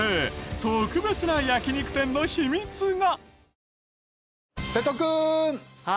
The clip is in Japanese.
特別な焼肉店の秘密が。